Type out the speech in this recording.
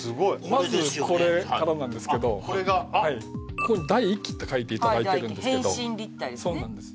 まずこれからなんですけどこれがあっここに第１期って書いていただいてるんですけど変身立体ですねそうなんです